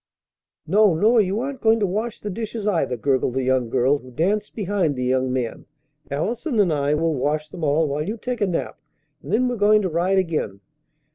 "No, nor you aren't going to wash the dishes, either," gurgled the young girl who danced behind the young man; "Allison and I will wash them all while you take a nap, and then we're going to ride again."